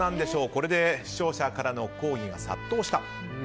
これで視聴者からの抗議が殺到した。